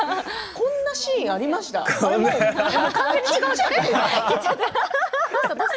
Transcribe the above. こんなシーンがありましたか。